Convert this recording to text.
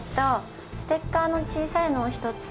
ステッカーの小さいのを一つ。